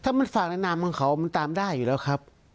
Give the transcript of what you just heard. ถ้ามันฝากในนามของเขามันตามได้อยู่แล้วครับ